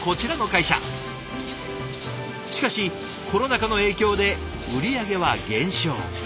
しかしコロナ禍の影響で売り上げは減少。